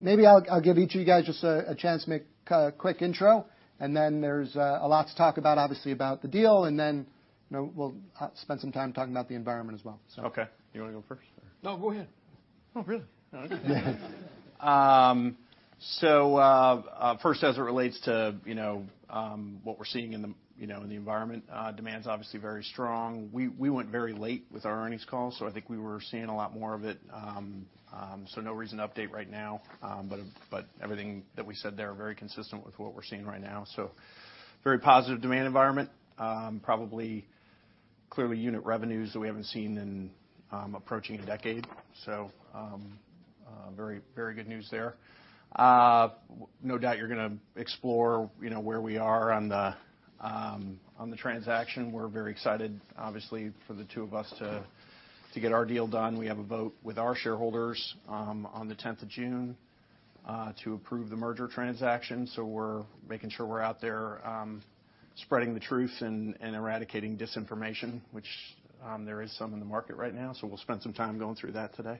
Maybe I'll give each of you guys just a chance to make a quick intro, and then there's a lot to talk about, obviously, about the deal, and then we'll spend some time talking about the environment as well. Okay. You want to go first? No, go ahead. Oh, really? Yeah. First, as it relates to what we're seeing in the environment, demand's obviously very strong. We went very late with our earnings call, so I think we were seeing a lot more of it. No reason to update right now, but everything that we said there is very consistent with what we're seeing right now. Very positive demand environment. Probably clearly unit revenues that we haven't seen in approaching a decade. Very good news there. No doubt you're going to explore where we are on the transaction. We're very excited, obviously, for the two of us to get our deal done. We have a vote with our shareholders on the 10th of June to approve the merger transaction. We're making sure we're out there spreading the truth and eradicating disinformation, which there is some in the market right now, so we'll spend some time going through that today.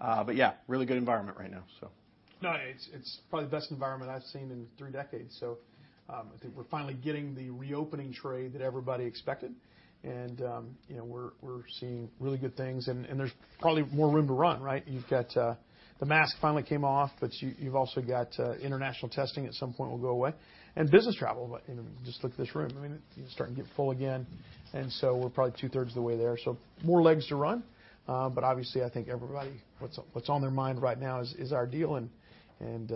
Yeah, really good environment right now. No, it's probably the best environment I've seen in three decades. I think we're finally getting the reopening trade that everybody expected, and we're seeing really good things. There's probably more room to run, right? The mask finally came off, but you've also got international testing at some point will go away. Business travel, just look at this room. I mean, it's starting to get full again, and we're probably two-thirds of the way there. More legs to run, but obviously, I think everybody, what's on their mind right now is our deal, and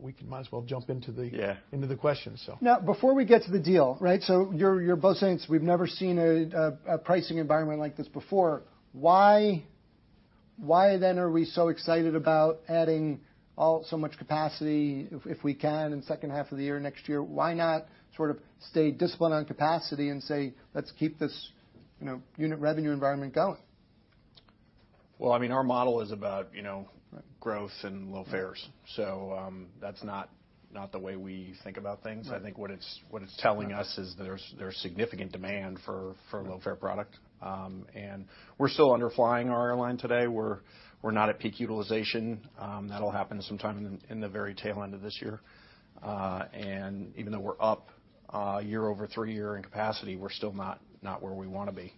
we might as well jump into the questions. Now, before we get to the deal, right, so you're both saying we've never seen a pricing environment like this before. Why then are we so excited about adding so much capacity if we can in the second half of the year next year? Why not sort of stay disciplined on capacity and say, "Let's keep this unit revenue environment going? I mean, our model is about growth and low fares. That is not the way we think about things. I think what it is telling us is there is significant demand for low fare product. We are still underflying our airline today. We are not at peak utilization. That will happen sometime in the very tail end of this year. Even though we are up year over three year in capacity, we are still not where we want to be.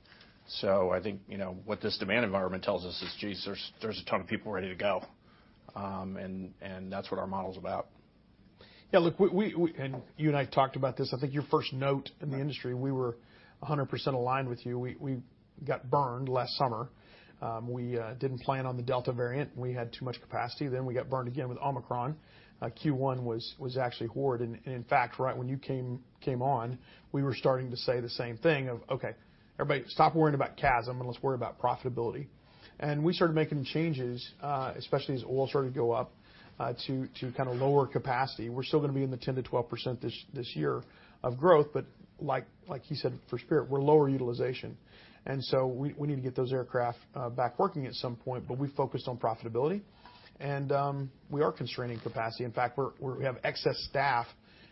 I think what this demand environment tells us is, geez, there is a ton of people ready to go, and that is what our model is about. Yeah, look, and you and I talked about this. I think your first note in the industry, we were 100% aligned with you. We got burned last summer. We did not plan on the Delta variant. We had too much capacity. Then we got burned again with Omicron. Q1 was actually horrid. In fact, right when you came on, we were starting to say the same thing of, "Okay, everybody, stop worrying about CASM and let's worry about profitability." We started making changes, especially as oil started to go up, to kind of lower capacity. We are still going to be in the 10-12% this year of growth, but like he said for Spirit, we are lower utilization. We need to get those aircraft back working at some point, but we focused on profitability, and we are constraining capacity. In fact, we have excess staff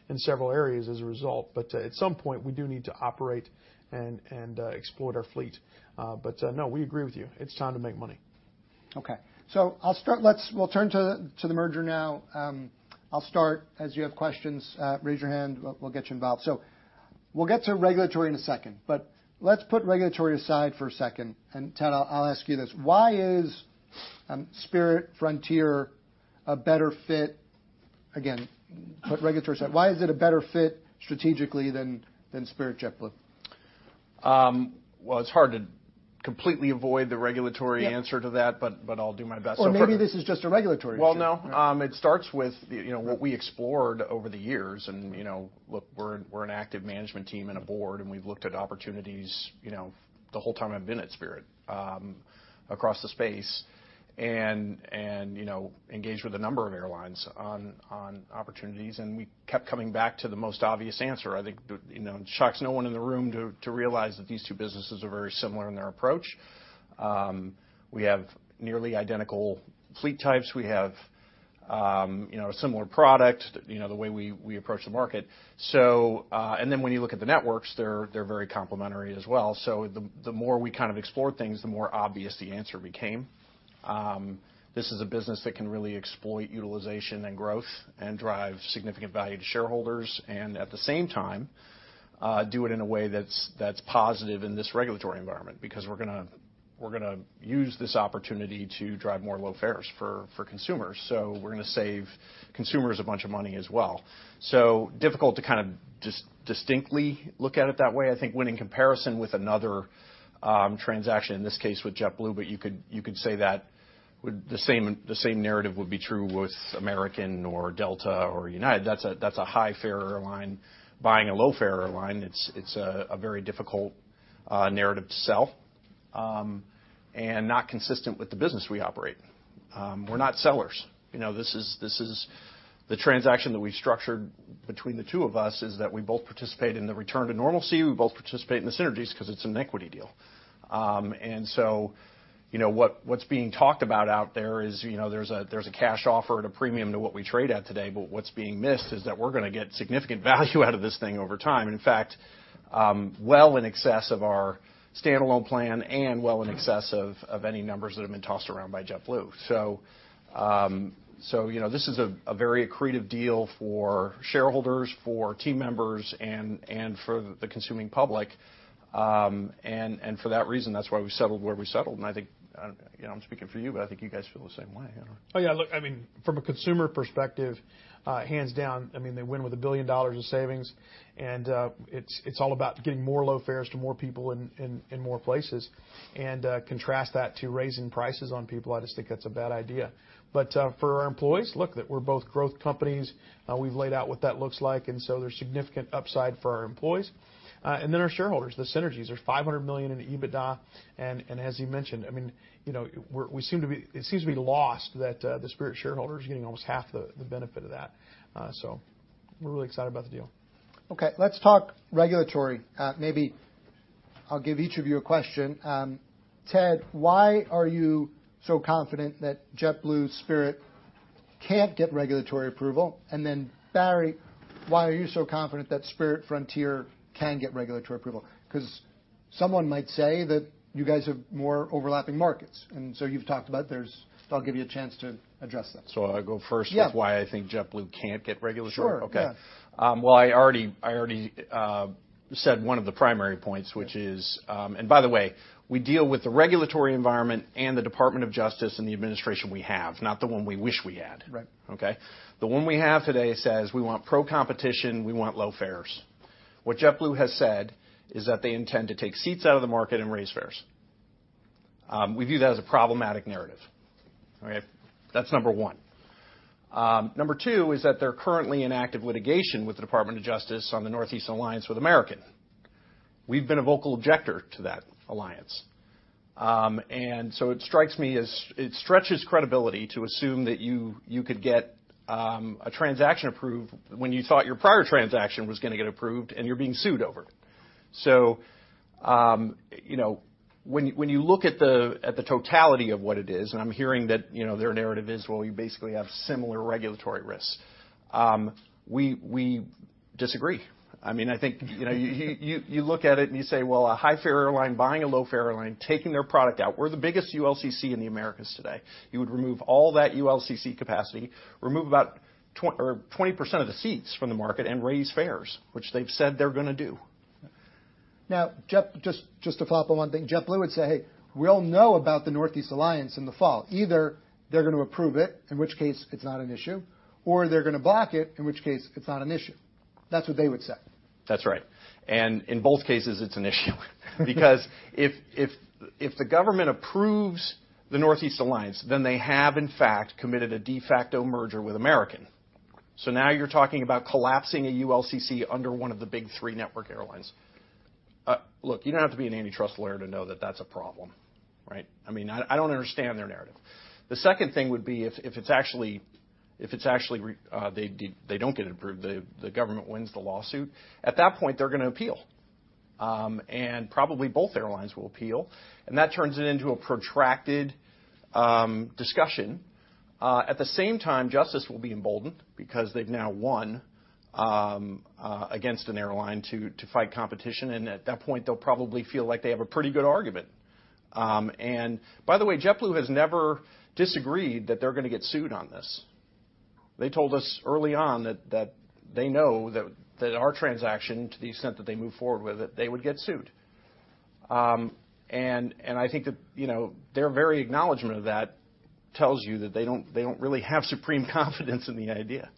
in several areas as a result, but at some point, we do need to operate and exploit our fleet. No, we agree with you. It's time to make money. Okay. We'll turn to the merger now. I'll start. As you have questions, raise your hand. We'll get you involved. We'll get to regulatory in a second, but let's put regulatory aside for a second. Ted, I'll ask you this. Why is Spirit Frontier a better fit? Again, put regulatory aside. Why is it a better fit strategically than Spirit JetBlue? It's hard to completely avoid the regulatory answer to that, but I'll do my best. Maybe this is just a regulatory issue. It starts with what we explored over the years. Look, we're an active management team and a board, and we've looked at opportunities the whole time I've been at Spirit across the space and engaged with a number of airlines on opportunities. We kept coming back to the most obvious answer. I think it shocks no one in the room to realize that these two businesses are very similar in their approach. We have nearly identical fleet types. We have a similar product, the way we approach the market. When you look at the networks, they're very complementary as well. The more we kind of explored things, the more obvious the answer became. This is a business that can really exploit utilization and growth and drive significant value to shareholders and at the same time do it in a way that's positive in this regulatory environment because we're going to use this opportunity to drive more low fares for consumers. We're going to save consumers a bunch of money as well. Difficult to kind of just distinctly look at it that way. I think when in comparison with another transaction, in this case with JetBlue, but you could say that the same narrative would be true with American or Delta or United. That's a high fare airline buying a low fare airline. It's a very difficult narrative to sell and not consistent with the business we operate. We're not sellers. This is the transaction that we've structured between the two of us is that we both participate in the return to normalcy. We both participate in the synergies because it's an equity deal. What's being talked about out there is there's a cash offer and a premium to what we trade at today, but what's being missed is that we're going to get significant value out of this thing over time, in fact, well in excess of our standalone plan and well in excess of any numbers that have been tossed around by JetBlue. This is a very accretive deal for shareholders, for team members, and for the consuming public. For that reason, that's why we settled where we settled. I think I'm speaking for you, but I think you guys feel the same way. Oh, yeah. Look, I mean, from a consumer perspective, hands down, I mean, they win with a billion dollars of savings. It's all about getting more low fares to more people in more places. Contrast that to raising prices on people. I just think that's a bad idea. For our employees, look, we're both growth companies. We've laid out what that looks like, and so there's significant upside for our employees. For our shareholders, the synergies. There's $500 million in EBITDA. As you mentioned, I mean, it seems to be lost that the Spirit shareholders are getting almost half the benefit of that. We're really excited about the deal. Okay. Let's talk regulatory. Maybe I'll give each of you a question. Ted, why are you so confident that JetBlue, Spirit can't get regulatory approval? Barry, why are you so confident that Spirit Frontier can get regulatory approval? Because someone might say that you guys have more overlapping markets. You've talked about that, so I'll give you a chance to address that. I'll go first with why I think JetBlue can't get regulatory. Sure. Yeah. Okay. I already said one of the primary points, which is, and by the way, we deal with the regulatory environment and the Department of Justice and the administration we have, not the one we wish we had. Okay? The one we have today says, "We want pro-competition. We want low fares." What JetBlue has said is that they intend to take seats out of the market and raise fares. We view that as a problematic narrative. That's number one. Number two is that they're currently in active litigation with the Department of Justice on the Northeast Alliance with American. We've been a vocal objector to that alliance. It strikes me as it stretches credibility to assume that you could get a transaction approved when you thought your prior transaction was going to get approved and you're being sued over it. When you look at the totality of what it is, and I'm hearing that their narrative is, "Well, you basically have similar regulatory risks." We disagree. I mean, I think you look at it and you say, "Well, a high fare airline buying a low fare airline, taking their product out, we're the biggest ULCC in the Americas today. You would remove all that ULCC capacity, remove about 20% of the seats from the market, and raise fares," which they've said they're going to do. Now, just to follow up on one thing, JetBlue would say, "Hey, we'll know about the Northeast Alliance in the fall. Either they're going to approve it, in which case it's not an issue, or they're going to block it, in which case it's not an issue." That's what they would say. That's right. In both cases, it's an issue because if the government approves the Northeast Alliance, then they have, in fact, committed a de facto merger with American. Now you're talking about collapsing a ULCC under one of the big three network airlines. Look, you don't have to be an antitrust lawyer to know that that's a problem. Right? I mean, I don't understand their narrative. The second thing would be if actually they don't get it approved, the government wins the lawsuit. At that point, they're going to appeal. Probably both airlines will appeal. That turns it into a protracted discussion. At the same time, justice will be emboldened because they've now won against an airline to fight competition. At that point, they'll probably feel like they have a pretty good argument. By the way, JetBlue has never disagreed that they're going to get sued on this. They told us early on that they know that our transaction, to the extent that they move forward with it, they would get sued. I think that their very acknowledgment of that tells you that they don't really have supreme confidence in the idea.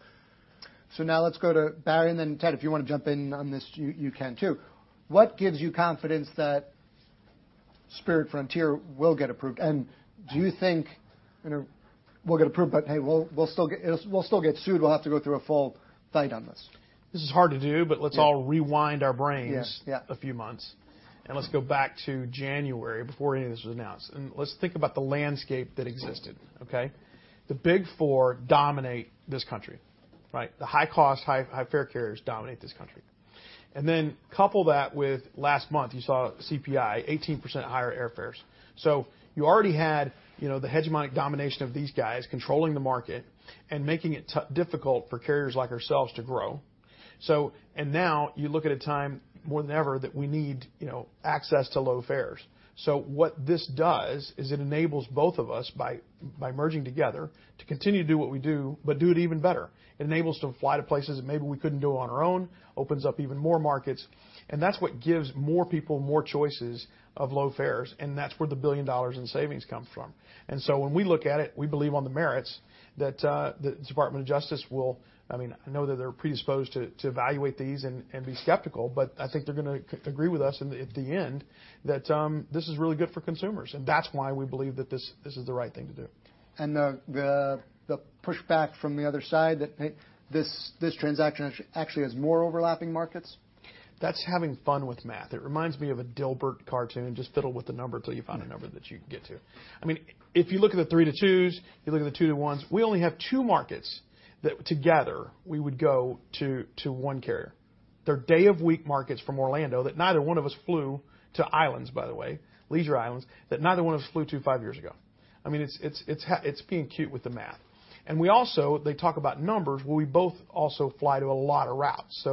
Now let's go to Barry. Then Ted, if you want to jump in on this, you can too. What gives you confidence that Spirit Frontier will get approved? Do you think we'll get approved, but hey, we'll still get sued? We'll have to go through a full fight on this. This is hard to do, but let's all rewind our brains a few months. Let's go back to January before any of this was announced. Let's think about the landscape that existed. The big four dominate this country. The high-cost, high-fare carriers dominate this country. Couple that with last month, you saw CPI, 18% higher airfares. You already had the hegemonic domination of these guys controlling the market and making it difficult for carriers like ourselves to grow. You look at a time more than ever that we need access to low fares. What this does is it enables both of us by merging together to continue to do what we do, but do it even better. It enables them to fly to places that maybe we couldn't do on our own, opens up even more markets. That is what gives more people more choices of low fares. That is where the $1 billion in savings come from. When we look at it, we believe on the merits that the Department of Justice will, I mean, I know that they are predisposed to evaluate these and be skeptical, but I think they are going to agree with us at the end that this is really good for consumers. That is why we believe that this is the right thing to do. The pushback from the other side is that this transaction actually has more overlapping markets? That's having fun with math. It reminds me of a Dilbert cartoon, just fiddle with the number until you find a number that you can get to. I mean, if you look at the three to twos, you look at the two to ones, we only have two markets that together we would go to one carrier. They're day-of-week markets from Orlando that neither one of us flew to, islands, by the way, leisure islands that neither one of us flew to five years ago. I mean, it's being cute with the math. They talk about numbers, we both also fly to a lot of routes.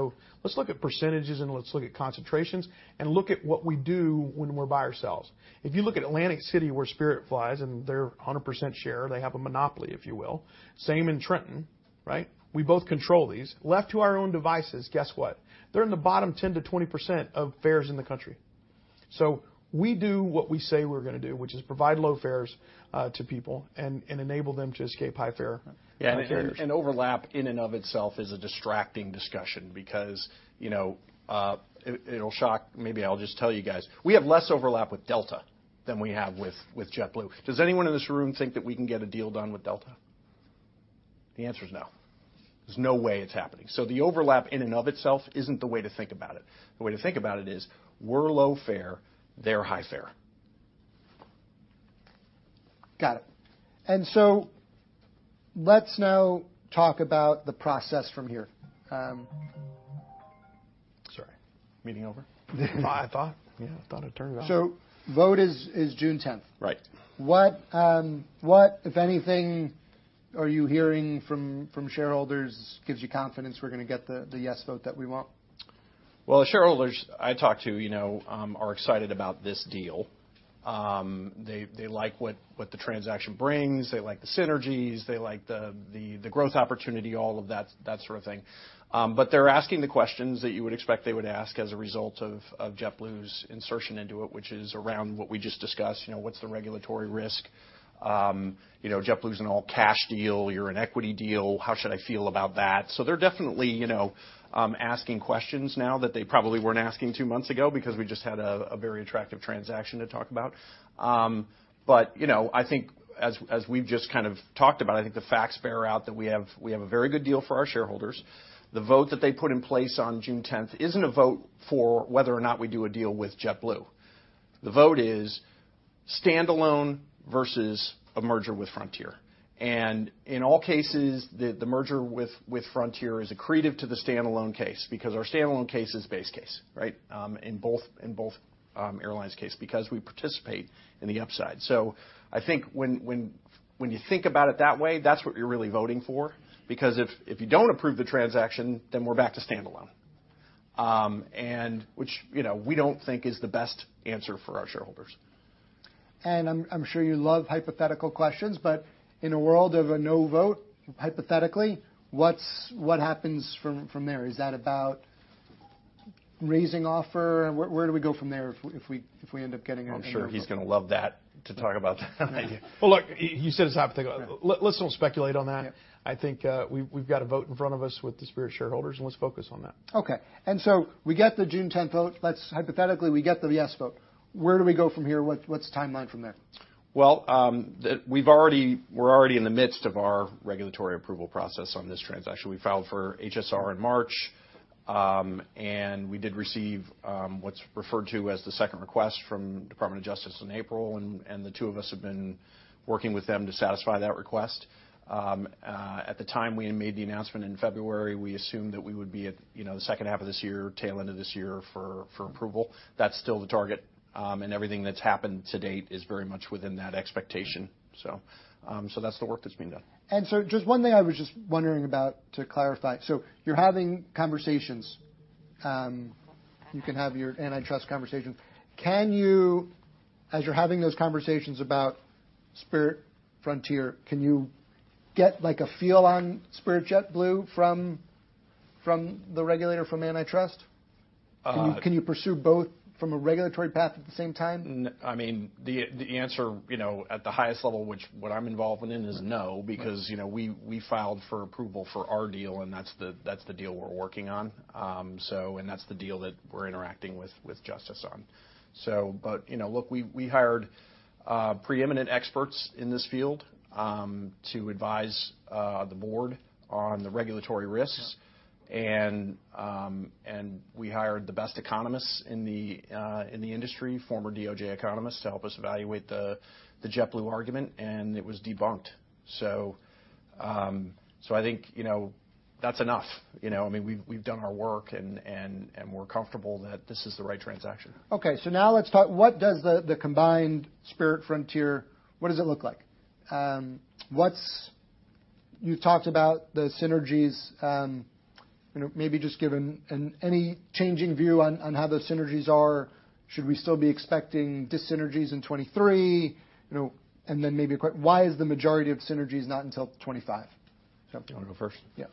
Let's look at percentages and let's look at concentrations and look at what we do when we're by ourselves. If you look at Atlantic City, where Spirit flies, and they're 100% share, they have a monopoly, if you will. Same in Trenton. Right? We both control these. Left to our own devices, guess what? They're in the bottom 10%-20% of fares in the country. So we do what we say we're going to do, which is provide low fares to people and enable them to escape high fare. Yeah. Overlap in and of itself is a distracting discussion because it will shock. Maybe I will just tell you guys. We have less overlap with Delta than we have with JetBlue. Does anyone in this room think that we can get a deal done with Delta? The answer is no. There is no way it is happening. Overlap in and of itself is not the way to think about it. The way to think about it is we are low fare, they are high fare. Got it. Let's now talk about the process from here. Sorry. Meeting over? I thought. Yeah, I thought it turned around. Vote is June 10th. Right. What, if anything, are you hearing from shareholders gives you confidence we're going to get the yes vote that we want? The shareholders I talk to are excited about this deal. They like what the transaction brings. They like the synergies. They like the growth opportunity, all of that sort of thing. They are asking the questions that you would expect they would ask as a result of JetBlue's insertion into it, which is around what we just discussed. What's the regulatory risk? JetBlue's an all-cash deal. You are an equity deal. How should I feel about that? They are definitely asking questions now that they probably were not asking two months ago because we just had a very attractive transaction to talk about. I think as we just kind of talked about, I think the facts bear out that we have a very good deal for our shareholders. The vote that they put in place on June 10th is not a vote for whether or not we do a deal with JetBlue. The vote is standalone versus a merger with Frontier. In all cases, the merger with Frontier is accretive to the standalone case because our standalone case is base case. Right? In both airlines' case because we participate in the upside. I think when you think about it that way, that is what you are really voting for because if you do not approve the transaction, then we are back to standalone, which we do not think is the best answer for our shareholders. I'm sure you love hypothetical questions, but in a world of a no vote, hypothetically, what happens from there? Is that about raising offer? Where do we go from there if we end up getting a new vote? I'm sure he's going to love to talk about that idea. Look, you said it's hypothetical. Let's not speculate on that. I think we've got a vote in front of us with the Spirit shareholders, and let's focus on that. Okay. We get the June 10th vote. Hypothetically, we get the yes vote. Where do we go from here? What's the timeline from there? We're already in the midst of our regulatory approval process on this transaction. We filed for HSR in March, and we did receive what's referred to as the second request from the Department of Justice in April. The two of us have been working with them to satisfy that request. At the time we made the announcement in February, we assumed that we would be at the second half of this year, tail end of this year for approval. That's still the target. Everything that's happened to date is very much within that expectation. That's the work that's being done. Just one thing I was just wondering about to clarify. You're having conversations. You can have your antitrust conversations. As you're having those conversations about Spirit Frontier, can you get a feel on Spirit JetBlue from the regulator, from antitrust? Can you pursue both from a regulatory path at the same time? I mean, the answer at the highest level, which what I'm involved in is no because we filed for approval for our deal, and that's the deal we're working on. That's the deal that we're interacting with Justice on. Look, we hired preeminent experts in this field to advise the board on the regulatory risks. We hired the best economists in the industry, former DOJ economists, to help us evaluate the JetBlue argument. It was debunked. I think that's enough. I mean, we've done our work, and we're comfortable that this is the right transaction. Okay. Now let's talk. What does the combined Spirit Frontier, what does it look like? You talked about the synergies. Maybe just give any changing view on how those synergies are. Should we still be expecting synergies in 2023? Maybe a question, why is the majority of synergies not until 2025? Do you want to go first? Yeah.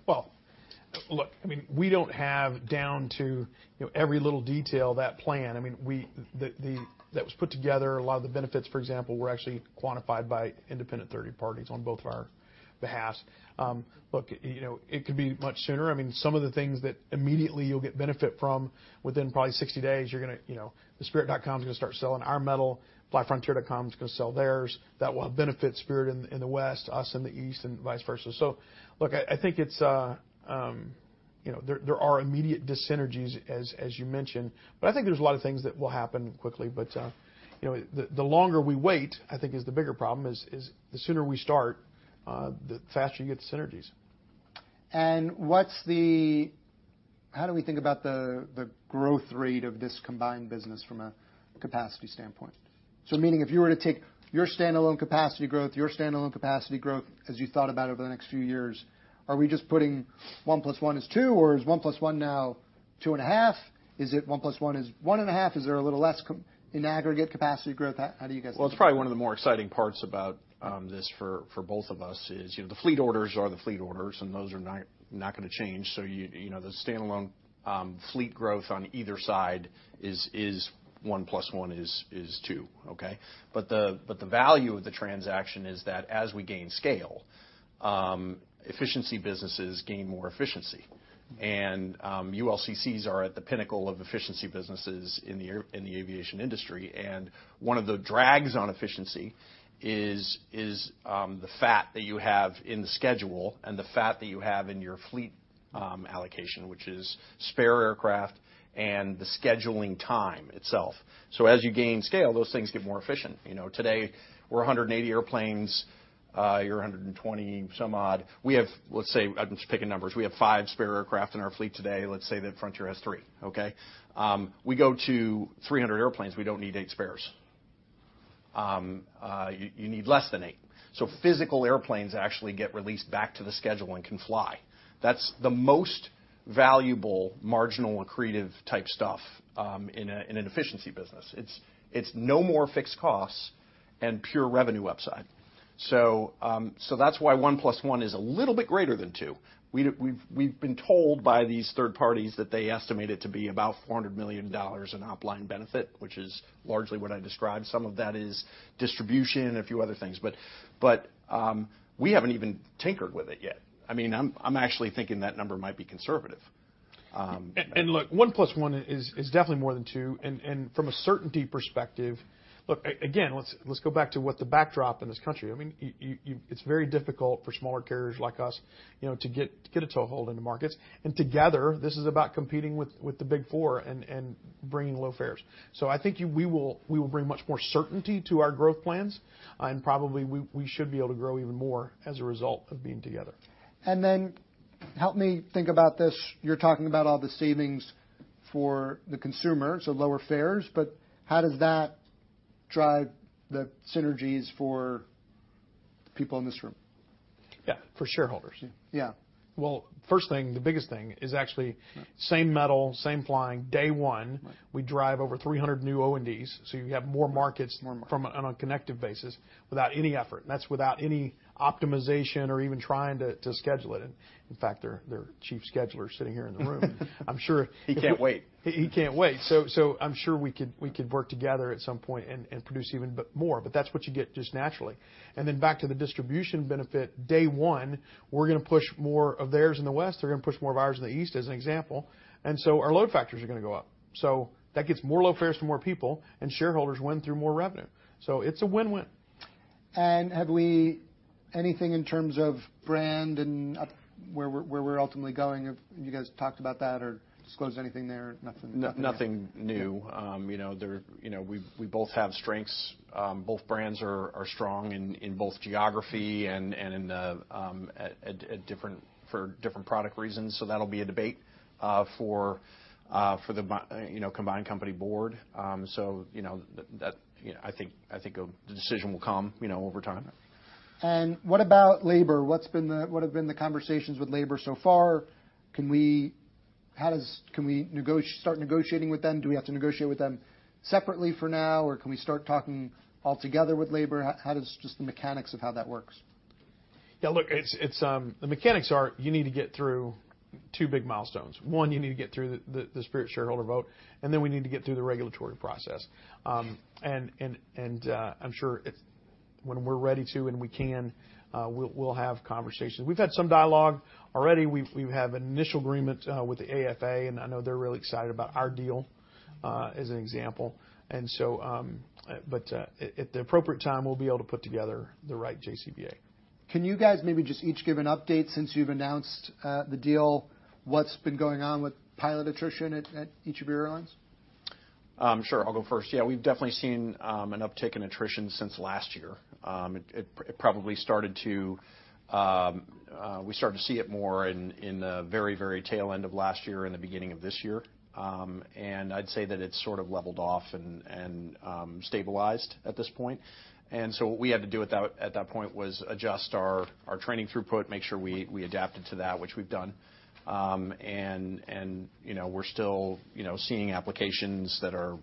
Look, I mean, we do not have down to every little detail that plan. I mean, that was put together. A lot of the benefits, for example, were actually quantified by independent third parties on both of our behalves. It could be much sooner. I mean, some of the things that immediately you will get benefit from within probably 60 days, you are going to the spirit.com is going to start selling our metal. Flyfrontier.com is going to sell theirs. That will benefit Spirit in the west, us in the east, and vice versa. I think there are immediate synergies, as you mentioned. I think there is a lot of things that will happen quickly. The longer we wait, I think is the bigger problem, is the sooner we start, the faster you get the synergies. How do we think about the growth rate of this combined business from a capacity standpoint? Meaning, if you were to take your standalone capacity growth, your standalone capacity growth, as you thought about over the next few years, are we just putting one plus one is two, or is one plus one now two and a half? Is it one plus one is one and a half? Is there a little less in aggregate capacity growth? How do you guys? It is probably one of the more exciting parts about this for both of us. The fleet orders are the fleet orders, and those are not going to change. The standalone fleet growth on either side is one plus one is two. Okay? The value of the transaction is that as we gain scale, efficiency businesses gain more efficiency. ULCCs are at the pinnacle of efficiency businesses in the aviation industry. One of the drags on efficiency is the fat that you have in the schedule and the fat that you have in your fleet allocation, which is spare aircraft and the scheduling time itself. As you gain scale, those things get more efficient. Today, we are 180 airplanes. You are 120 some odd. We have, let's say, I am just picking numbers. We have five spare aircraft in our fleet today. Let's say that Frontier has three. Okay? We go to 300 airplanes. We do not need eight spares. You need less than eight. So physical airplanes actually get released back to the schedule and can fly. That is the most valuable marginal accretive type stuff in an efficiency business. It is no more fixed costs and pure revenue upside. That is why one plus one is a little bit greater than two. We have been told by these third parties that they estimate it to be about $400 million in op-line benefit, which is largely what I described. Some of that is distribution and a few other things. We have not even tinkered with it yet. I mean, I am actually thinking that number might be conservative. Look, one plus one is definitely more than two. From a certainty perspective, look, again, let's go back to what the backdrop in this country is. I mean, it's very difficult for smaller carriers like us to get a toehold in the markets. Together, this is about competing with the big four and bringing low fares. I think we will bring much more certainty to our growth plans. Probably we should be able to grow even more as a result of being together. Help me think about this. You're talking about all the savings for the consumer, so lower fares. How does that drive the synergies for people in this room? Yeah. For shareholders. Yeah. The biggest thing is actually same metal, same flying. Day one, we drive over 300 new O&Ds. You have more markets on a connective basis without any effort. That is without any optimization or even trying to schedule it. In fact, their chief schedulers sitting here in the room. I'm sure. He can't wait. He can't wait. I'm sure we could work together at some point and produce even more. That is what you get just naturally. Back to the distribution benefit. Day one, we're going to push more of theirs in the west. They're going to push more of ours in the east, as an example. Our load factors are going to go up. That gets more low fares for more people, and shareholders win through more revenue. It is a win-win. Do we have anything in terms of brand and where we're ultimately going? You guys talked about that or disclosed anything there? Nothing? Nothing new. We both have strengths. Both brands are strong in both geography and for different product reasons. That'll be a debate for the combined company board. I think the decision will come over time. What about labor? What have been the conversations with labor so far? Can we start negotiating with them? Do we have to negotiate with them separately for now? Can we start talking altogether with labor? How does just the mechanics of how that works? Yeah. Look, the mechanics are you need to get through two big milestones. One, you need to get through the Spirit shareholder vote. Then we need to get through the regulatory process. I'm sure when we're ready to and we can, we'll have conversations. We've had some dialogue already. We have initial agreement with the AFA. I know they're really excited about our deal, as an example. At the appropriate time, we'll be able to put together the right JCBA. Can you guys maybe just each give an update since you've announced the deal? What's been going on with pilot attrition at each of your airlines? Sure. I'll go first. Yeah. We've definitely seen an uptick in attrition since last year. It probably started to—we started to see it more in the very, very tail end of last year and the beginning of this year. I'd say that it's sort of leveled off and stabilized at this point. What we had to do at that point was adjust our training throughput, make sure we adapted to that, which we've done. We're still seeing applications that are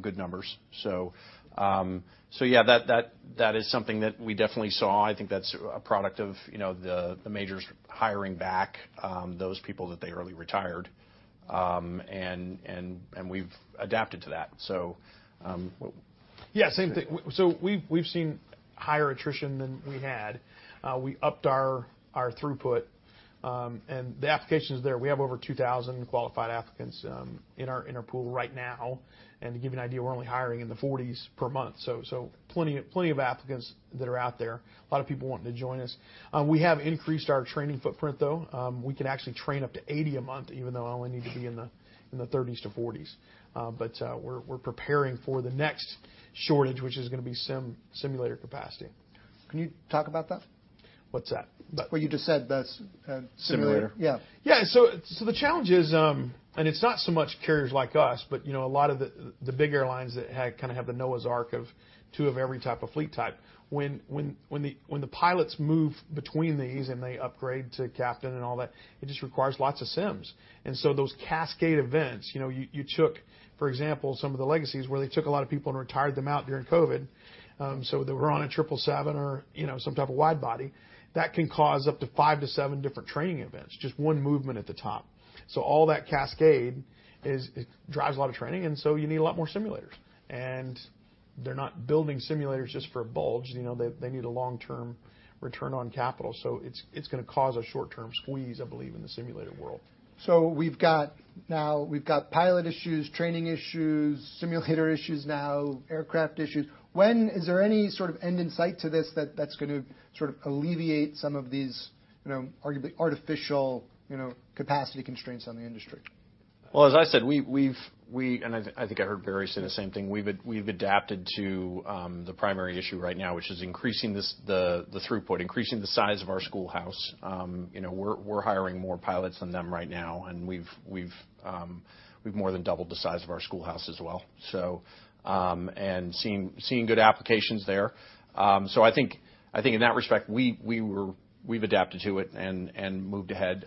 good numbers. Yeah, that is something that we definitely saw. I think that's a product of the majors hiring back those people that they early retired. We've adapted to that. Yeah. Yeah. Same thing. We've seen higher attrition than we had. We upped our throughput. The applications there, we have over 2,000 qualified applicants in our pool right now. To give you an idea, we're only hiring in the 40s per month. Plenty of applicants that are out there. A lot of people wanting to join us. We have increased our training footprint, though. We can actually train up to 80 a month, even though I only need to be in the 30s to 40s. We're preparing for the next shortage, which is going to be simulator capacity. Can you talk about that? What's that? What you just said. Simulator. Yeah. Yeah. The challenge is, and it's not so much carriers like us, but a lot of the big airlines that kind of have the Noah's Ark of two of every type of fleet type. When the pilots move between these and they upgrade to captain and all that, it just requires lots of sims. Those cascade events, you took, for example, some of the legacies where they took a lot of people and retired them out during COVID. They were on a triple seven or some type of wide body. That can cause up to five to seven different training events, just one movement at the top. All that cascade drives a lot of training. You need a lot more simulators. They're not building simulators just for a bulge. They need a long-term return on capital. It's going to cause a short-term squeeze, I believe, in the simulator world. Now we've got pilot issues, training issues, simulator issues now, aircraft issues. Is there any sort of end in sight to this that's going to sort of alleviate some of these artificial capacity constraints on the industry? As I said, and I think I heard Barry say the same thing. We've adapted to the primary issue right now, which is increasing the throughput, increasing the size of our schoolhouse. We're hiring more pilots than them right now. We've more than doubled the size of our schoolhouse as well. Seeing good applications there. I think in that respect, we've adapted to it and moved ahead.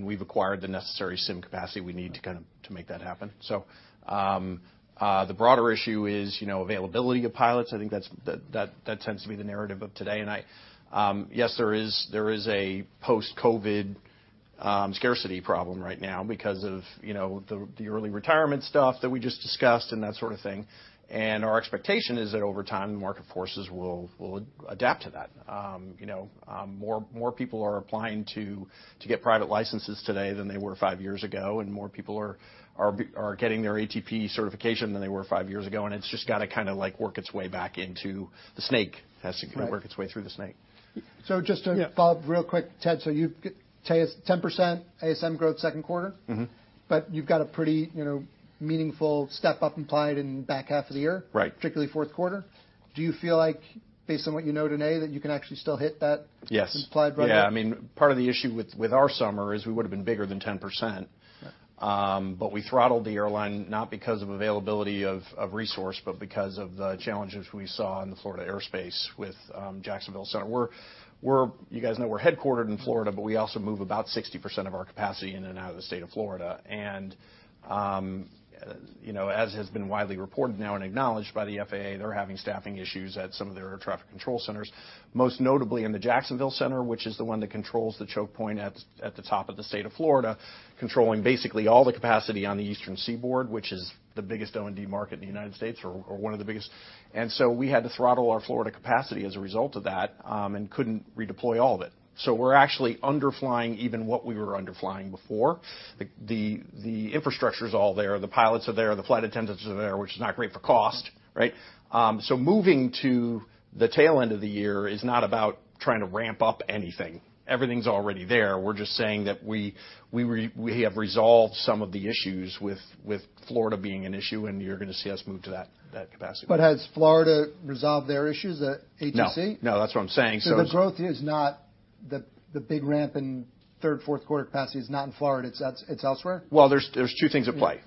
We've acquired the necessary sim capacity we need to make that happen. The broader issue is availability of pilots. I think that tends to be the narrative of today. Yes, there is a post-COVID scarcity problem right now because of the early retirement stuff that we just discussed and that sort of thing. Our expectation is that over time, market forces will adapt to that. More people are applying to get private licenses today than they were five years ago. More people are getting their ATP certification than they were five years ago. It's just got to kind of work its way back into the snake. It has to work its way through the snake. Just to follow up real quick, Ted, so you've 10% ASM growth second quarter. But you've got a pretty meaningful step up implied in the back half of the year, particularly fourth quarter. Do you feel like, based on what you know today, that you can actually still hit that implied run? Yes. Yeah. I mean, part of the issue with our summer is we would have been bigger than 10%. We throttled the airline not because of availability of resource, but because of the challenges we saw in the Florida airspace with Jacksonville Center. You guys know we're headquartered in Florida, but we also move about 60% of our capacity in and out of the state of Florida. As has been widely reported now and acknowledged by the FAA, they're having staffing issues at some of their air traffic control centers, most notably in the Jacksonville Center, which is the one that controls the choke point at the top of the state of Florida, controlling basically all the capacity on the eastern seaboard, which is the biggest O&D market in the United States or one of the biggest. We had to throttle our Florida capacity as a result of that and could not redeploy all of it. We are actually underflying even what we were underflying before. The infrastructure is all there. The pilots are there. The flight attendants are there, which is not great for cost. Right? Moving to the tail end of the year is not about trying to ramp up anything. Everything is already there. We are just saying that we have resolved some of the issues with Florida being an issue, and you are going to see us move to that capacity. Has Florida resolved their issues at ATC? No. No. That's what I'm saying. The growth is not the big ramp in third, fourth quarter capacity is not in Florida. It's elsewhere? There are two things at play.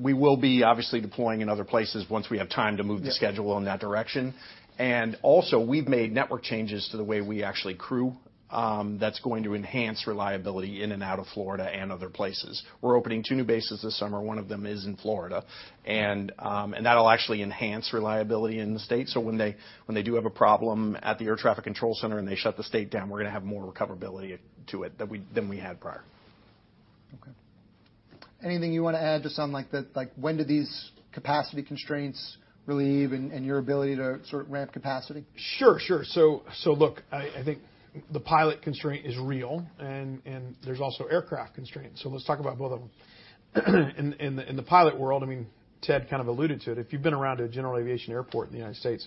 We will be obviously deploying in other places once we have time to move the schedule in that direction. Also, we've made network changes to the way we actually crew that's going to enhance reliability in and out of Florida and other places. We're opening two new bases this summer. One of them is in Florida. That'll actually enhance reliability in the state. When they do have a problem at the air traffic control center and they shut the state down, we're going to have more recoverability to it than we had prior. Okay. Anything you want to add to sound like when do these capacity constraints relieve and your ability to sort of ramp capacity? Sure. Sure. Look, I think the pilot constraint is real. There are also aircraft constraints. Let's talk about both of them. In the pilot world, I mean, Ted kind of alluded to it. If you've been around a general aviation airport in the United States,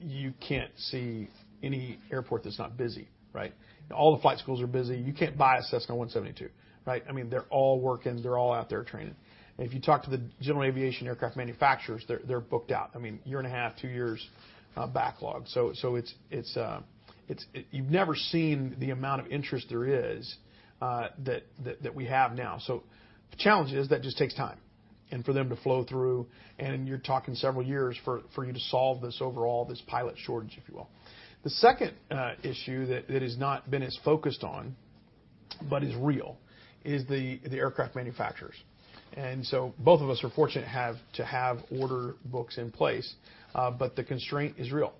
you can't see any airport that's not busy. Right? All the flight schools are busy. You can't buy a Cessna 172. Right? I mean, they're all working. They're all out there training. If you talk to the general aviation aircraft manufacturers, they're booked out. I mean, year and a half, two years backlog. You've never seen the amount of interest there is that we have now. The challenge is that just takes time for them to flow through. You're talking several years for you to solve this overall, this pilot shortage, if you will. The second issue that has not been as focused on but is real is the aircraft manufacturers. Both of us are fortunate to have order books in place. The constraint is real.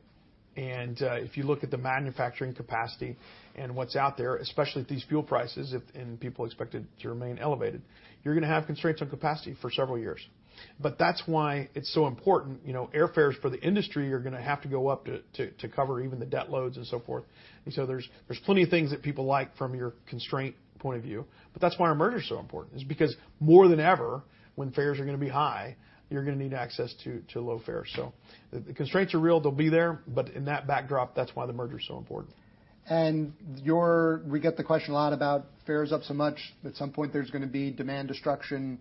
If you look at the manufacturing capacity and what is out there, especially at these fuel prices and people expect it to remain elevated, you are going to have constraints on capacity for several years. That is why it is so important. Airfares for the industry are going to have to go up to cover even the debt loads and so forth. There are plenty of things that people like from your constraint point of view. That is why our merger is so important. It is because more than ever, when fares are going to be high, you are going to need access to low fares. The constraints are real. They will be there. In that backdrop, that's why the merger is so important. We get the question a lot about fares up so much. At some point, there's going to be demand destruction.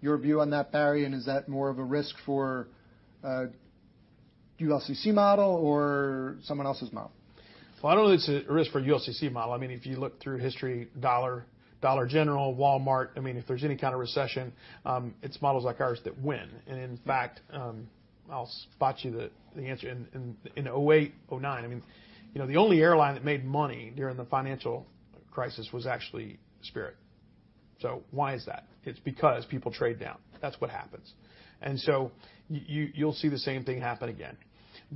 Your view on that, Barry, and is that more of a risk for ULCC model or someone else's model? I don't know that it's a risk for ULCC model. I mean, if you look through history, Dollar General, Walmart, I mean, if there's any kind of recession, it's models like ours that win. In fact, I'll spot you the answer. In 2008, 2009, I mean, the only airline that made money during the financial crisis was actually Spirit. Why is that? It's because people trade down. That's what happens. You'll see the same thing happen again.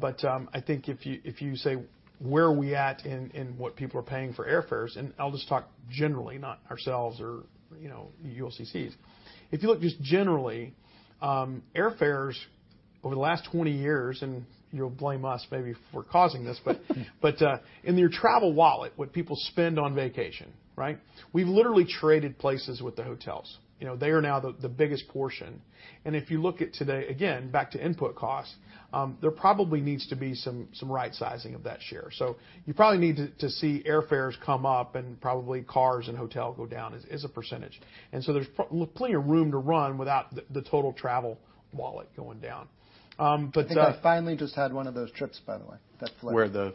I think if you say, "Where are we at in what people are paying for airfares?" I'll just talk generally, not ourselves or ULCCs. If you look just generally, airfares over the last 20 years, and you'll blame us maybe for causing this, but in your travel wallet, what people spend on vacation, we've literally traded places with the hotels. They are now the biggest portion. If you look at today, again, back to input costs, there probably needs to be some right-sizing of that share. You probably need to see airfares come up and probably cars and hotel go down as a percentage. There is plenty of room to run without the total travel wallet going down. I finally just had one of those trips, by the way, that flew. Where the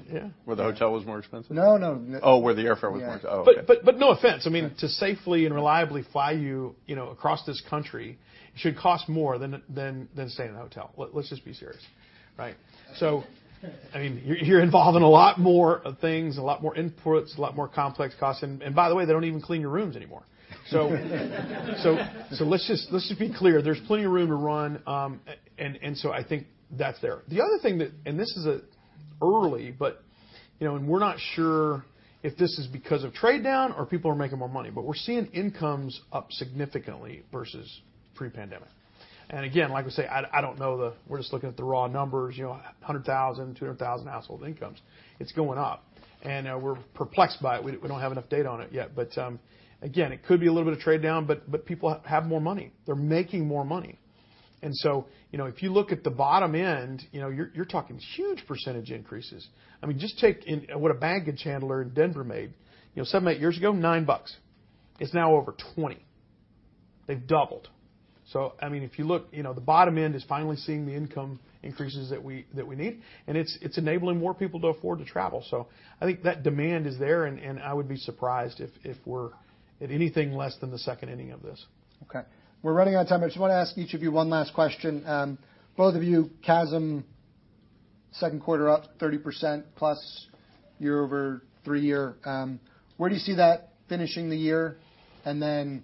hotel was more expensive. No, no. Oh, where the airfare was more expensive. Okay. No offense. I mean, to safely and reliably fly you across this country should cost more than staying in a hotel. Let's just be serious. Right? I mean, you're involved in a lot more things, a lot more inputs, a lot more complex costs. And by the way, they don't even clean your rooms anymore. Let's just be clear. There's plenty of room to run. I think that's there. The other thing that, and this is early, but we're not sure if this is because of trade down or people are making more money. We're seeing incomes up significantly versus pre-pandemic. Again, like I say, I don't know the—we're just looking at the raw numbers, $100,000, $200,000 household incomes. It's going up. We're perplexed by it. We don't have enough data on it yet. Again, it could be a little bit of trade down, but people have more money. They're making more money. If you look at the bottom end, you're talking huge % increases. I mean, just take what a baggage handler in Denver made seven, eight years ago, $9. It's now over $20. They've doubled. I mean, if you look, the bottom end is finally seeing the income increases that we need. It's enabling more people to afford to travel. I think that demand is there. I would be surprised if we're at anything less than the second inning of this. Okay. We're running out of time. I just want to ask each of you one last question. Both of you, Kasim, second quarter up 30% plus year over three year. Where do you see that finishing the year? Then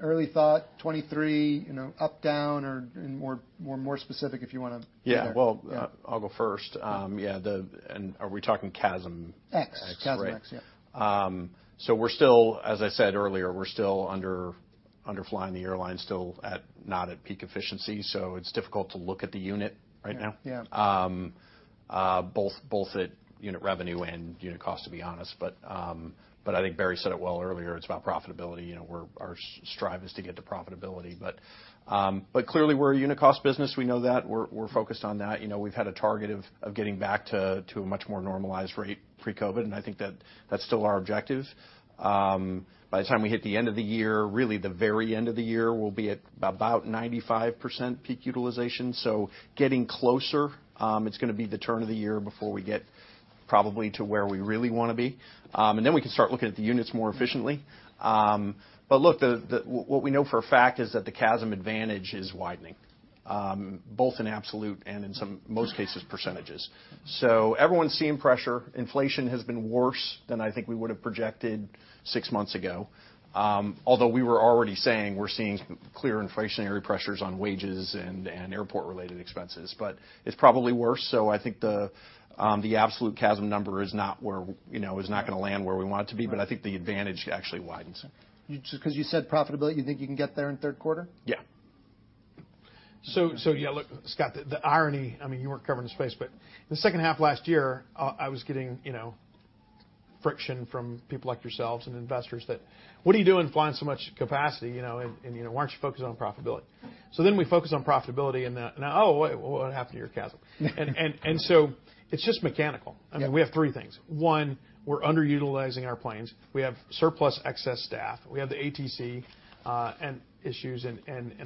early thought, 2023, up, down, or more specific if you want to. Yeah. I'll go first. Yeah. Are we talking Kasim? X. X. Yeah. We're still, as I said earlier, still underflying the airline, still not at peak efficiency. It's difficult to look at the unit right now, both at unit revenue and unit cost, to be honest. I think Barry said it well earlier. It's about profitability. Our strive is to get to profitability. Clearly, we're a unit cost business. We know that. We're focused on that. We've had a target of getting back to a much more normalized rate pre-COVID. I think that's still our objective. By the time we hit the end of the year, really the very end of the year, we'll be at about 95% peak utilization. Getting closer, it's going to be the turn of the year before we get probably to where we really want to be. Then we can start looking at the units more efficiently. Look, what we know for a fact is that the CASM advantage is widening, both in absolute and in most cases, percentages. Everyone's seeing pressure. Inflation has been worse than I think we would have projected six months ago, although we were already saying we're seeing clear inflationary pressures on wages and airport-related expenses. It's probably worse. I think the absolute CASM number is not going to land where we want it to be. I think the advantage actually widens. Because you said profitability, you think you can get there in third quarter? Yeah. Yeah, look, Scott, the irony, I mean, you were not covering the space, but in the second half last year, I was getting friction from people like yourselves and investors that, "What are you doing flying so much capacity? And why are you not focused on profitability?" We focus on profitability and now, "Oh, wait, what happened to your CASM?" It is just mechanical. We have three things. One, we are underutilizing our planes. We have surplus excess staff. We have the ATC issues.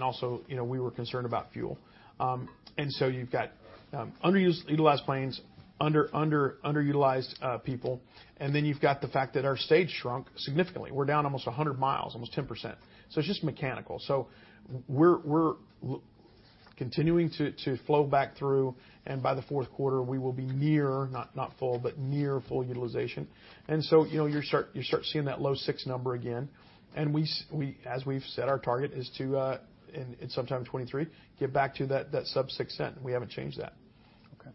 Also, we were concerned about fuel. You have underutilized planes, underutilized people. Then you have the fact that our stage shrunk significantly. We are down almost 100 mi, almost 10%. It is just mechanical. We are continuing to flow back through. By the fourth quarter, we will be near, not full, but near full utilization. You start seeing that low six number again. As we've said, our target is to, and it's sometime in 2023, get back to that sub-6 cent. We haven't changed that. Okay.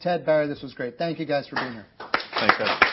Ted, Barry, this was great. Thank you guys for being here. Thanks, guys.